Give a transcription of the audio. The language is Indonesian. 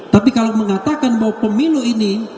tapi kalau mengatakan bahwa pemilu ini